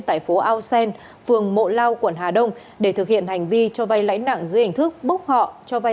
tại phố ao sen phường mộ lao quận hà đông để thực hiện hành vi cho vay lãi nặng dưới hình thức bốc họ cho vay